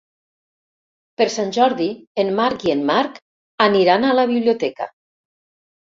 Per Sant Jordi en Marc i en Marc aniran a la biblioteca.